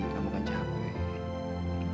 kamu kan capek